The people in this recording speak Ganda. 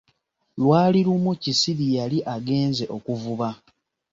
Lwali lumu Kisiri yali agenze okuvuba.